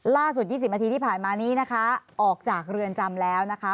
ล่าสุด๒๐นาทีที่ผ่านมานี้นะคะออกจากเรือนจำแล้วนะคะ